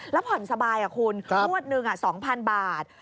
แล้วผ่อนสบายคุณงวดหนึ่ง๒๐๐๐บาท